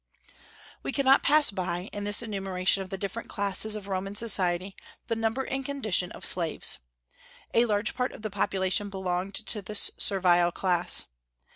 We cannot pass by, in this enumeration of the different classes of Roman society, the number and condition of slaves. A large part of the population belonged to this servile class.